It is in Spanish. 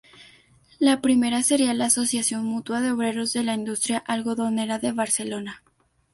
La primera sería la "Asociación mutua de obreros de la industria algodonera de Barcelona".